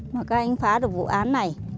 mà các anh phá được vụ án này